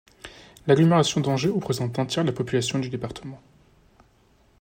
L'agglomération d'Angers représente un tiers de la population du département.